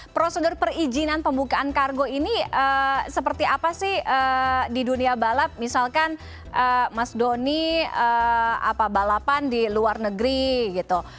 prosedur perizinan pembukaan kargo ini seperti apa sih di dunia balap misalkan mas doni balapan di luar negeri gitu